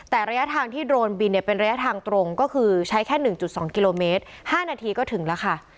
แต่ระยะทางที่โดรนบินเป็นระยะทางตรงก็คือใช้แค่๑๒กิโลเมตร๕นาทีก็ถึงแล้วค่ะ